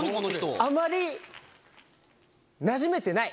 あまりなじめてない。